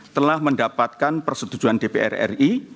telah mendapatkan persetujuan dpr ri